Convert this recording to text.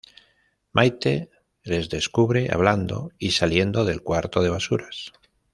Maite les descubre hablando y saliendo del cuarto de basuras.